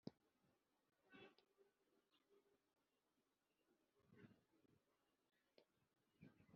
Amabwiriza yose ashyirwaho hubahirizwa iyi ngingo nkuko biteganywa n’itegeko ryatowe n’abaturage bose uko bakabaye.